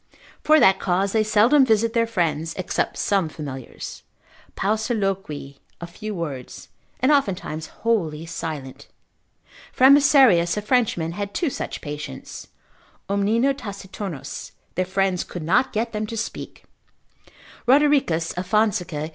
For that cause they seldom visit their friends, except some familiars: pauciloqui, of few words, and oftentimes wholly silent. Frambeserius, a Frenchman, had two such patients, omnino taciturnos, their friends could not get them to speak: Rodericus a Fonseca consult. tom. 2. 85. consil.